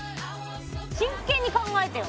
真剣に考えてよ！